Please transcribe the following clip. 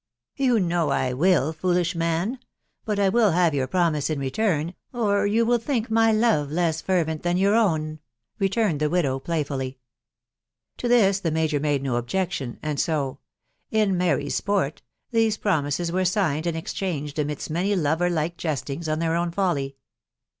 " You know I will, foolish man !.... .but I will have your .promise in return, gr you will jhink my love less fervent ;tha# your own," returned tjie widow playfully. To this the major ma4e no objection; and so, cc in merry sport," these promises were signed and exchanged amidst many lover like jestings on their own folly.